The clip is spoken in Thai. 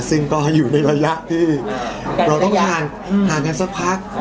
ซึ่งก็อยู่ในระยะที่เราต้องการห่างกันสักพัก